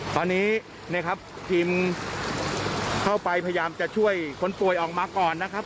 ตอนนี้นะครับทีมเข้าไปพยายามจะช่วยคนป่วยออกมาก่อนนะครับ